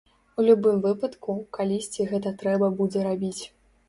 У любым выпадку, калісьці гэта трэба будзе рабіць.